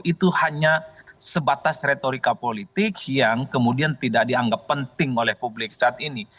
itu hanya sebatas retorika politik yang kemudian tidak dianggap penting oleh publik saat ini